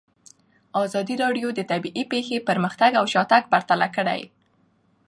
ازادي راډیو د طبیعي پېښې پرمختګ او شاتګ پرتله کړی.